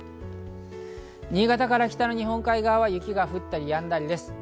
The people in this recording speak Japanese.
新潟から北の日本海側は雪が降ったりやんだりです。